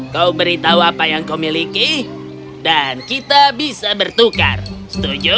kau beritahu apa yang kau miliki dan kita bisa bertukar setuju